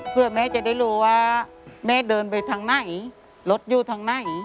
เพื่อแม่จะได้รู้ว่าแม่เดินไปทางไหนรถอยู่ทางไหน